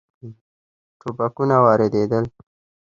ټوپکونه واردېدل.